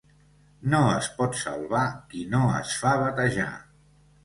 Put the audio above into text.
No es pot salvar qui no es fa batejar.